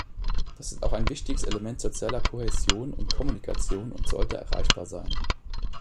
Das ist auch ein wichtiges Element sozialer Kohäsion und Kommunikation und sollte erreichbar sein.